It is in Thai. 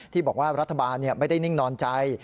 ที่บอกว่ารัฐบาลไม่ได้นิ่งนอนใจ